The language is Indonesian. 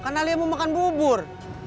karena dia mau makan bubur